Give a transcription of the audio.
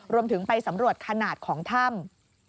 รวมไปถึงไปสำรวจขนาดของถ้ำ